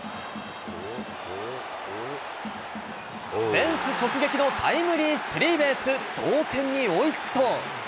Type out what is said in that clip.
フェンス直撃のタイムリースリーベース、同点に追いつくと。